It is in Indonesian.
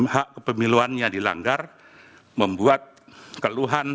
hak kepemiluannya dilanggar membuat keluhan